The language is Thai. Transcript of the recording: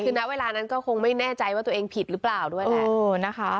คือณเวลานั้นก็คงไม่แน่ใจว่าตัวเองผิดหรือเปล่าด้วยแหละนะคะ